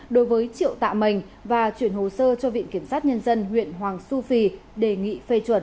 đối với triệu tạ mình và chuyển hồ sơ cho viện kiểm sát nhân dân huyện hoàng su phi đề nghị phê chuẩn